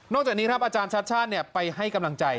จากนี้ครับอาจารย์ชัดชาติไปให้กำลังใจ